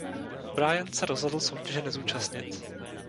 Bryan se rozhodl soutěže nezúčastnit.